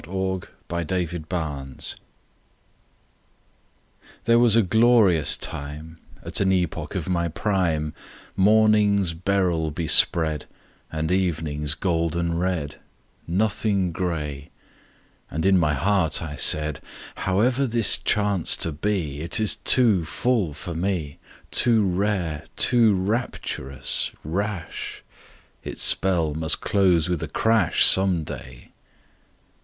HE FEARS HIS GOOD FORTUNE THERE was a glorious time At an epoch of my prime; Mornings beryl bespread, And evenings golden red; Nothing gray: And in my heart I said, "However this chanced to be, It is too full for me, Too rare, too rapturous, rash, Its spell must close with a crash Some day!"